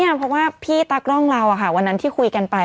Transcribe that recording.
เพราะว่าพี่ตากล้องเราวันนั้นที่คุยกันไป